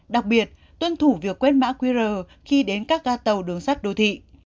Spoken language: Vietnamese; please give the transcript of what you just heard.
đặc biệt tuân thủ việc quét mã qr khi đến các ga tàu đường sắt đô thị